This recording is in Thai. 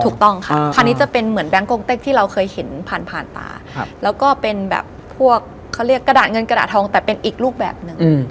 ถูกต้องค่ะคันนี้จะเป็นเหมือนแก๊งกงเต็กที่เราเคยเห็นผ่านผ่านตาแล้วก็เป็นแบบพวกเขาเรียกกระดาษเงินกระดาษทองแต่เป็นอีกรูปแบบหนึ่ง